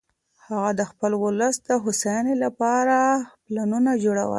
هغه د خپل ولس د هوساینې لپاره پلانونه جوړول.